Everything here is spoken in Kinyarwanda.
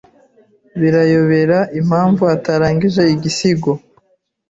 Birayobera impamvu atarangije igisigo.